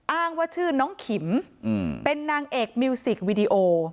อ้างว่าชื่อน้องขิมเป็นนางเอกมิวสิกวีดีโอ